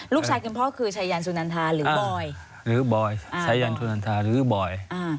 คุณพ่อคือชายันสุนันทาหรือบอยหรือบอยชายันสุนันทาหรือบอย